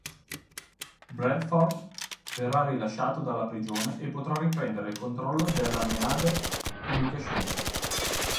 Bradford verrà rilasciato dalla prigione e potrà riprendere il controllo della "Meade Publications".